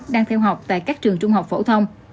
đang theo học tại các trường trung học phổ thông